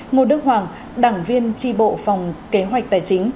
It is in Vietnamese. nguyên đảng ủy viên đảng viên tri bộ phòng kế hoạch tài chính